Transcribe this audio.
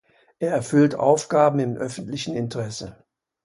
Er erfüllt Aufgaben im öffentlichen Interesse.